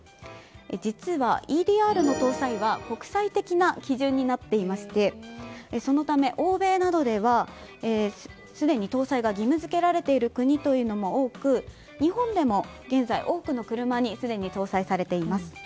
実は、ＥＤＲの搭載は国際的な基準になっていましてそのため、欧米などではすでに搭載が義務付けられている国というのが多く日本でも現在、多くの車にすでに搭載されています。